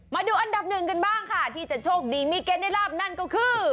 มาดูอันดับหนึ่งกันบ้างค่ะที่จะโชคดีมีเกณฑ์ได้ลาบนั่นก็คือ